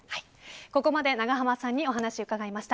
ここまで永濱さんにお話を伺いました。